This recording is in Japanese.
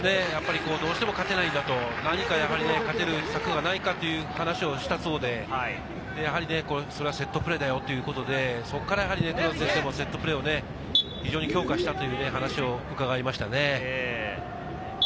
どうしても勝てないんだと、何かやはり勝てる策はないかという話をしたそうで、それはセットプレーだよということで、そこから黒田先生もセットプレーを非常に強化したという話を伺いましたね。